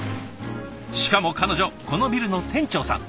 しかも彼女このビルの店長さん。